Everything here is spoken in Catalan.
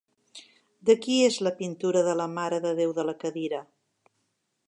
De qui és la pintura de la Mare de Déu de la Cadira?